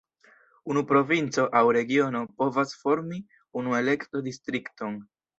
Unu provinco aŭ regiono povas formi unu elekto-distrikton.